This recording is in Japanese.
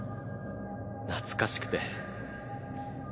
懐かしくて。